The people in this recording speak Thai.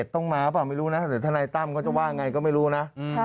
๑๕๗ต้องมาหรือเปล่าไม่รู้นะเดี๋ยวทนายตั้มก็จะว่าอย่างไรก็ไม่รู้นะ